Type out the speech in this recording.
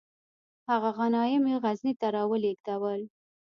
هغه غنایم یې غزني ته را ولیږدول.